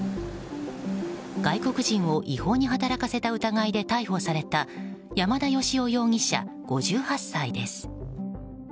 外国人を違法に働かせた疑いで逮捕された山田芳男容疑者、５８歳です。